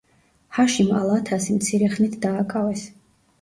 ჰაშიმ ალ-ათასი მცირე ხნით დააკავეს.